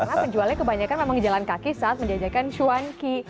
karena penjualnya kebanyakan memang jalan kaki saat menjajakan cuanki